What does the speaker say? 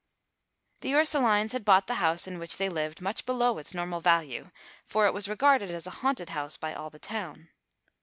The Ursulines had bought the house in which they lived much below its normal value, for it was regarded as a haunted house by all the town.